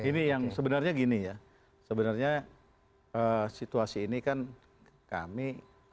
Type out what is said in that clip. ini yang sebenarnya gini ya sebenarnya situasi ini kan kami